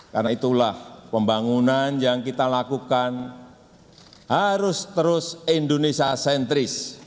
karena itulah pembangunan yang kita lakukan harus terus indonesia sentris